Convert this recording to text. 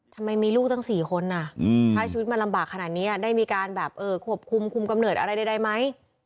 ทำไมมีลูกตั้ง๔คนถ้าชีวิตมันลำบากขนาดนี้ได้มีการแบบควบคุมคุมกำเนิดอะไรใดไหม